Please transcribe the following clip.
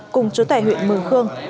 cùng chúa tẻ huyện mờ khương